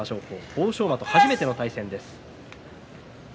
欧勝馬と初めての対戦です。